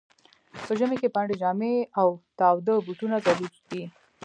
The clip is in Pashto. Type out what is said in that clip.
په ژمي کي پنډي جامې او تاوده بوټونه ضرور دي.